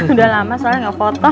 udah lama soalnya nggak foto